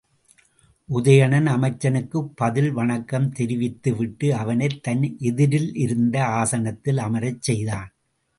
உதயணன் அமைச்சனுக்குப் பதில் வணக்கம் தெரிவித்துவிட்டு அவனைத் தன் எதிரிலிருந்த ஆசனத்தில் அமரச் செய்தான்.